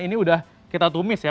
ini udah kita tumis ya